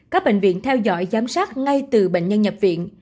các bệnh viện theo dõi giám sát ngay từ bệnh nhân nhập viện